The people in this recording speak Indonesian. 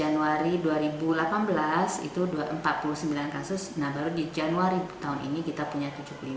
nah baru di januari tahun ini kita punya tujuh puluh lima